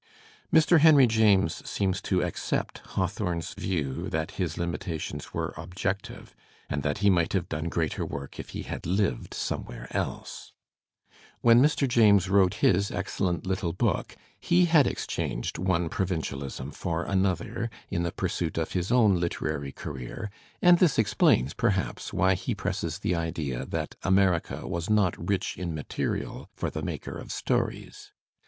Mr. Henry James seems to accept Hawthorne's view that his limitations were objective, and that he might have done greater work if he had lived somewhere else. When Mr. Digitized by Google 80 THE SPIRIT OF Al^RICAN LITERATURE James wrote his excellent little book, he had exchanged one provincialism for another in the pursuit of his own literary career, and this explains, perhaps, why he presses the idea that America was not rich in material for the maker of stories.